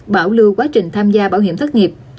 bảo lưu quá trình tham gia bảo hiểm thất nghiệp